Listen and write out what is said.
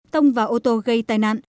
tông vào ô tô gây tai nạn